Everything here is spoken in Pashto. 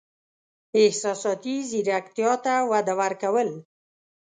احساساتي زیرکتیا ته وده ورکول: